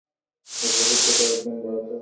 এই পশুত্ব কয়েকগুণ বাড়াতে হবে।